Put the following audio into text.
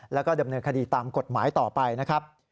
แล้วก็ดำเนินคดีตามกฎหมายต่อไปนะครับ